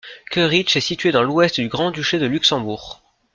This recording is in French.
Koerich est situé dans l'ouest du Grand-Duché de Luxembourg.